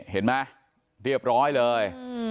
เห็นไหมเรียบร้อยเลย